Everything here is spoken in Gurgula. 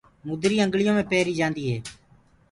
مُدري انگݪِيآ مي پيريٚ جآنٚديٚ هي